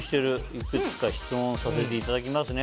「いくつか質問させていただきますね」